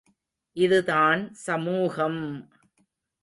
இது தான் சமூகம்!